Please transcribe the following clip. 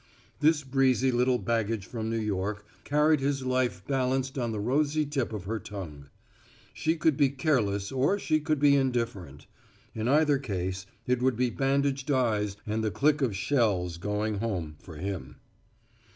This breezy little baggage from New York carried his life balanced on the rosy tip of her tongue. She could be careless or she could be indifferent; in either case it would be bandaged eyes and the click of shells going home for him.